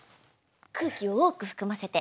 空気を多く含ませて。